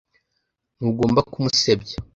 Ntugomba kumusebya.